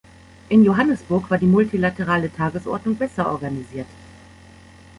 In Johannesburg war die multilaterale Tagesordnung besser organisiert.